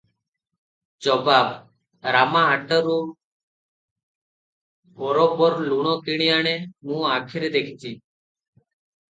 ଜବାବ - ରାମା ହାଟରୁ ବରୋବର ଲୁଣ କିଣି ଆଣେ, ମୁଁ ଆଖିରେ ଦେଖିଛି ।